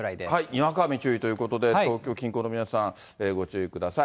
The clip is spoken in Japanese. にわか雨注意ということで、東京近郊の皆さん、ご注意ください。